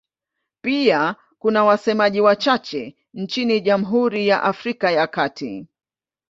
Pia kuna wasemaji wachache nchini Jamhuri ya Afrika ya Kati.